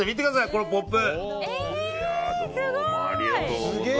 このポップ。